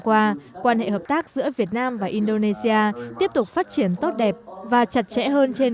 qua quan hệ hợp tác giữa việt nam và indonesia tiếp tục phát triển tốt đẹp và chặt chẽ hơn trên